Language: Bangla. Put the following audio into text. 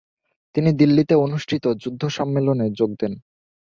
তিনি দিল্লীতে অনুষ্ঠিত যুদ্ধ সম্মেলনে যোগ দেন।